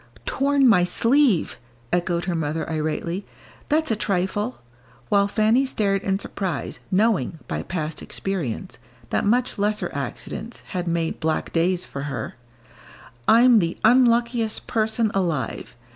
"Torn my sleeve!" echoed her mother, irately, "that's a trifle," while Fanny stared in surprise, knowing, by past experience, that much lesser accidents had made black days for her; "I'm the unluckiest person alive.